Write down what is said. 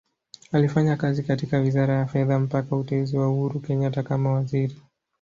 Alifanya kazi katika Wizara ya Fedha mpaka uteuzi wa Uhuru Kenyatta kama Waziri.